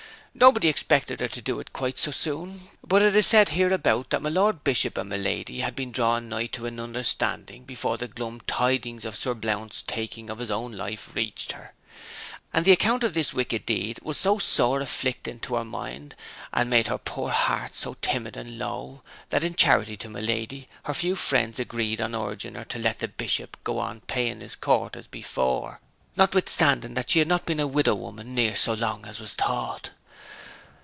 Nobody expected her to do it quite so soon; but it is said hereabout that my lord bishop and my lady had been drawing nigh to an understanding before the glum tidings of Sir Blount's taking of his own life reached her; and the account of this wicked deed was so sore afflicting to her mind, and made her poor heart so timid and low, that in charity to my lady her few friends agreed on urging her to let the bishop go on paying his court as before, notwithstanding she had not been a widow woman near so long as was thought.